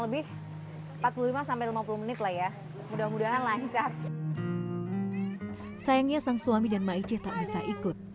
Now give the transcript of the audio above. lebih empat puluh lima sampai lima puluh menit lah ya mudah mudahan lancar sayangnya sang suami dan maiche tak bisa ikut